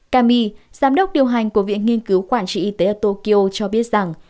kami giám đốc điều hành của viện nghiên cứu quản trị y tế ở tokyo cho biết rằng